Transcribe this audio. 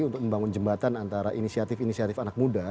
untuk membangun jembatan antara inisiatif inisiatif anak muda